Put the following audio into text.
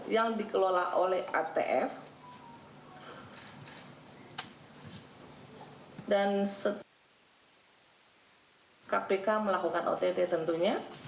yang dikelola oleh atf dan setelah kpk melakukan ott tentunya